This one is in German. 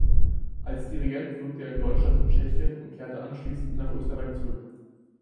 Als Dirigent wirkte er in Deutschland und Tschechien und kehrte anschließend nach Österreich zurück.